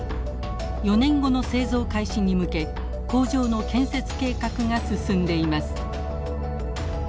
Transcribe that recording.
４年後の製造開始に向け工場の建設計画が進んでいます。